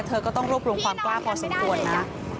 เธอก็ต้องรวบรวมความกล้าพอสมควรนะ